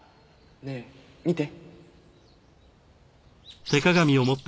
ねえ見て。